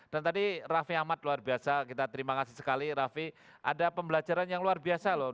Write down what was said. dan tadi raffi ahmad luar biasa kita terima kasih sekali raffi ada pembelajaran yang luar biasa loh